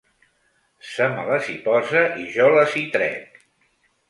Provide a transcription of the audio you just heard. Se me les hi posa i jo les hi trec.